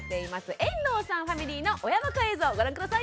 遠藤さんファミリーの親バカ映像ご覧下さい！